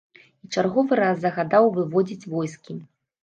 І чарговы раз загадаў выводзіць войскі.